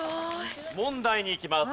問題にいきます。